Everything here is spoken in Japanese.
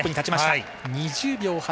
２０秒８